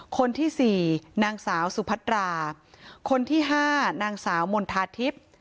คนที่สี่นางสาวสุพัตราคนที่๕นางสาวมณฑาทิพย์